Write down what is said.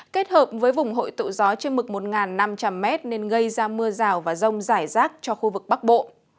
kết hợp với vùng hội tụ gió trên mực một năm trăm linh m nên gây ra mưa rào và rông rải rác cho khu vực bắc bộ